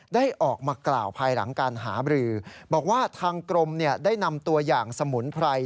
ได้ออกมากล่าวภายหลังการหาบรือบอกว่าทางกรมได้นำตัวอย่างสมุนไพร